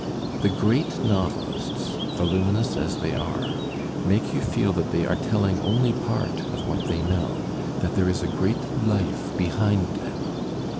The great novelists, voluminous as they are, make you feel that they are telling only part of what they know, that there is a great life behind them.